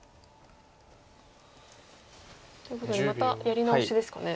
ということでまたやり直しですかね。